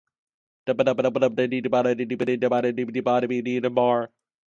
The Legal Assistant program is approved by the American Bar Association.